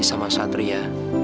sama satri ya